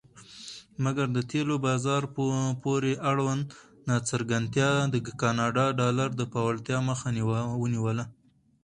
مګر د تیلو بازار پورې اړوند ناڅرګندتیا د کاناډا ډالر د پیاوړتیا مخه ونیوله.